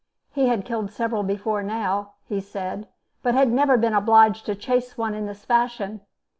He had killed several before now, he said, but had never been obliged to chase one in this fashion.